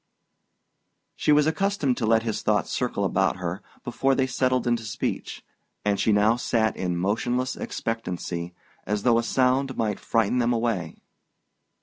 She was accustomed to let his thoughts circle about her before they settled into speech, and she now sat in motionless expectancy, as though a sound might frighten them away.